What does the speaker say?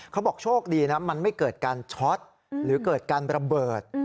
เขาบอกโชคดีนะมันไม่เกิดการช็อตหรือเกิดการระเบิด